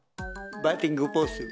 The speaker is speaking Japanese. バッティングポーズ。